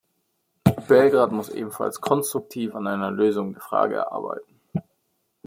Belgrad muss ebenfalls konstruktiv an einer Lösung der Frage arbeiten.